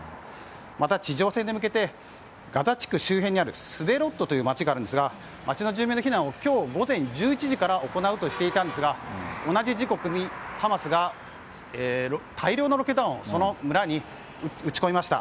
また、地上戦に向けてガザ地区周辺にある街があるんですが街の住民の避難を午前１１時から行うとしていたんですが同じ時刻にハマスが大量のロケット弾を村に撃ち込みました。